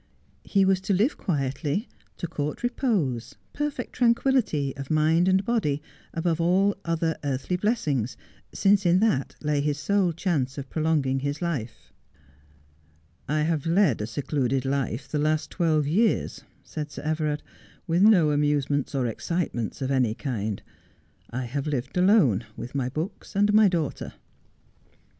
He was to live quietly, to court repose, perfect tranquillity of mind and body, above all other earthly blessings, since in that lay his sole chance of prolonging his life. ' I have led a secluded life for the last twelve years,' said Sir Everard, ' with no amusements or excitements of any kind. I have lived alone, with my books and my daughter.'